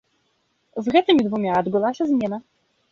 З гэтымі двума адбылася змена.